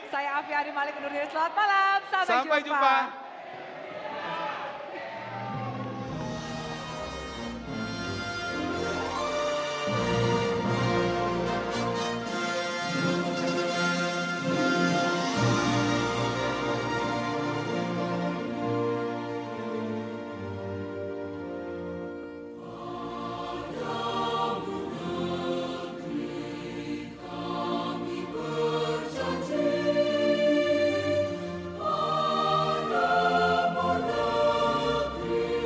saya afi'ari malik undur diri selamat malam